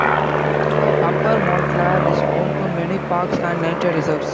Upper Montclair is home to many parks and nature reserves.